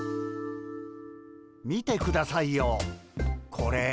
見てくださいよこれ。